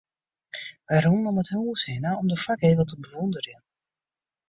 Wy rûnen om it hûs hinne om de foargevel te bewûnderjen.